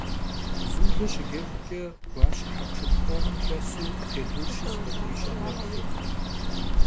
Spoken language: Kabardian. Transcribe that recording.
Zule şıceguç'e, guaşe hepşşıp khomım xesu cedur şıst, abı yiş'em yêplhu.